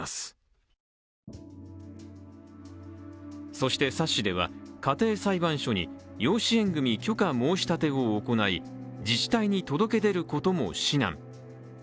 そして冊子では家庭裁判所に養子縁組許可申立を行い、自治体に届け出ることも指南。